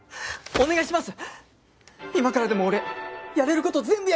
お願いします！